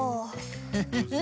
フフフッ！